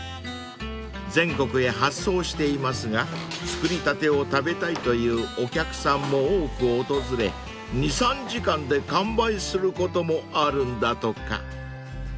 ［全国へ発送していますが作りたてを食べたいというお客さんも多く訪れ２３時間で完売することもあるんだとか］